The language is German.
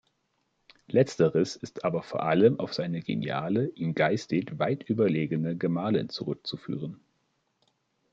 Letzteres ist aber vor allem auf seine geniale, ihm geistig weit überlegene Gemahlin zurückzuführen.